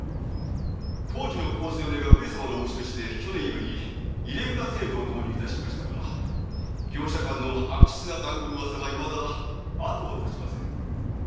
工事の公正を願う上様のおぼしめしで去年より入れ札制度を導入いたしましたが業者間の悪質な談合の噂がいまだあとを絶ちません。